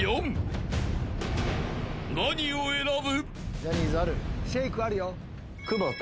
［何を選ぶ？］